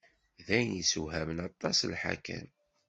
D ayen i yeswehmen aṭas lḥakem.